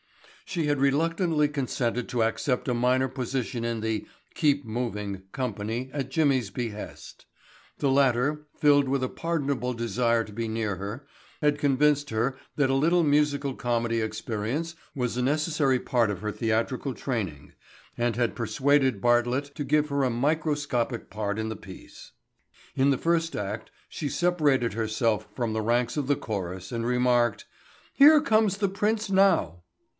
She had reluctantly consented to accept a minor position in the "Keep Moving" company at Jimmy's behest. The latter, filled with a pardonable desire to be near her, had convinced her that a little musical comedy experience was a necessary part of her theatrical training and had persuaded Bartlett to give her a microscopic part in the piece. In the first act she separated herself from the ranks of the chorus and remarked "Here comes the prince now."